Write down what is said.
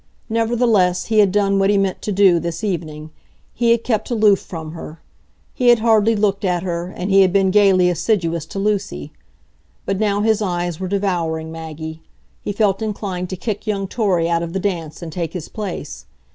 Nevertheless, he had done what he meant to do this evening,—he had kept aloof from her; he had hardly looked at her; and he had been gayly assiduous to Lucy. But now his eyes were devouring Maggie; he felt inclined to kick young Torry out of the dance, and take his place.